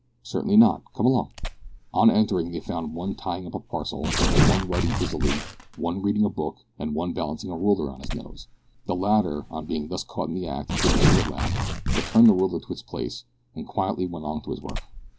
"Certainly not. Come along." On entering, they found one tying up a parcel, one writing busily, one reading a book, and one balancing a ruler on his nose. The latter, on being thus caught in the act, gave a short laugh, returned the ruler to its place, and quietly went on with his work.